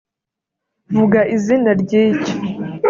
vuga izina ry'icyo